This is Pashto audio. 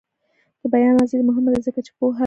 د بیان ازادي مهمه ده ځکه چې پوهه لوړوي.